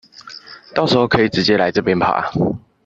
到時候可以直接來這邊爬